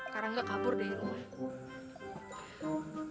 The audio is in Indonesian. karangga kabur dari rumah